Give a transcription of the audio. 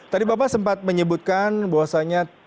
tadi bapak sempat menyebutkan bahwasannya